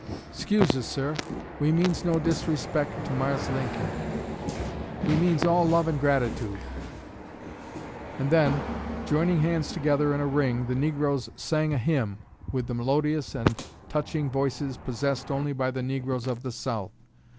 'Scuse us, sir; we means no disrepec' to Mars Lincoln; we means all love and gratitude.' And then, joining hands together in a ring, the negroes sang a hymn, with the melodious and touching voices possessed only by the negroes of the South.